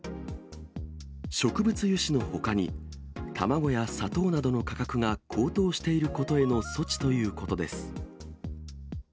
植物油脂のほかに、卵や砂糖などの価格が高騰していることへの措置ということです。